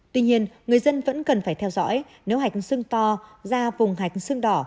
tuy nhiên người dân vẫn cần phải theo dõi nếu hạch sưng to ra vùng hạch sưng đỏ